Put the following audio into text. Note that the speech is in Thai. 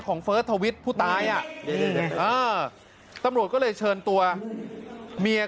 เฟิร์สทวิทย์ผู้ตายอ่ะเออตำรวจก็เลยเชิญตัวเมีย